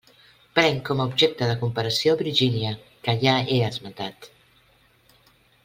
Prenc com a objecte de comparació Virgínia, que ja he esmentat.